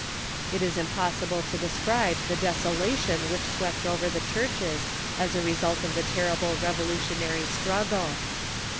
It is impossible to describe the desolation which swept over the churches as the result of the terrible Revolutionary struggle.